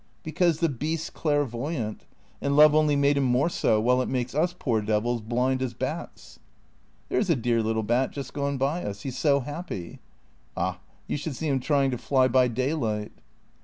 " Because the beast 's clairvoyant. And love only made him more so ; while it makes us poor devils blind as bats." " There 's a dear little bat just gone by us. He 's so happy." " Ah — you should see him trying to fly by daylight."